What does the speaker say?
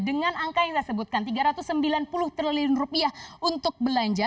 dengan angka yang saya sebutkan tiga ratus sembilan puluh triliun rupiah untuk belanja